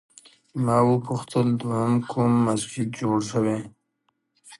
ما وپوښتل دوهم کوم مسجد جوړ شوی؟